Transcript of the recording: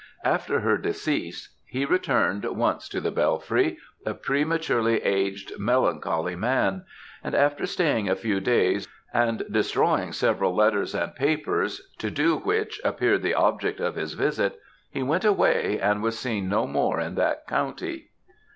After her decease, he returned once to the Bellfry, a prematurely aged, melancholy man; and after staying a few days, and destroying several letters and papers, to do which appeared the object of his visit, he went away, and was seen no more in that county."